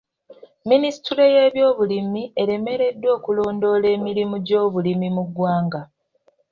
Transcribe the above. Minisitule y'ebyobulimi eremereddwa okulondoola emirimu gy'obulimi mu ggwanga.